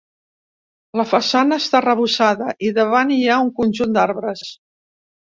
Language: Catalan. La façana està arrebossada i davant hi ha un conjunt d'arbres.